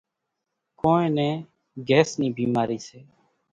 ڪونئين نين گھيس نِي ڀِيمارِي سي۔